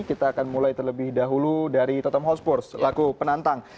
kita akan mulai terlebih dahulu dari totem hotspurs laku penantang